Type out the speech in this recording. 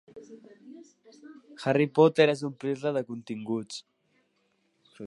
Harry Potter és omplir-la de continguts.